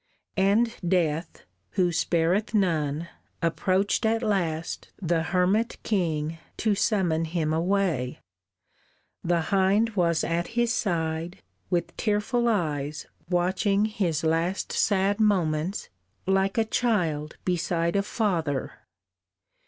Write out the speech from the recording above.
And Death, who spareth none, approached at last The hermit king to summon him away; The hind was at his side, with tearful eyes Watching his last sad moments, like a child Beside a father.